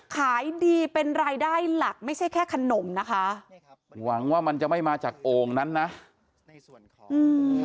ขายดีเป็นรายได้หลักไม่ใช่แค่ขนมนะคะหวังว่ามันจะไม่มาจากโอ่งนั้นนะในส่วนของอืม